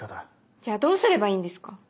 じゃあどうすればいいんですか？